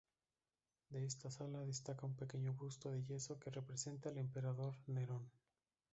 De esta sala, destaca un pequeño busto de yeso que representa al emperador Nerón.